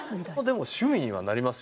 でも趣味にはなりますよね。